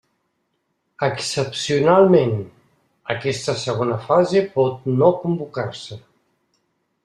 Excepcionalment, aquesta segona fase pot no convocar-se.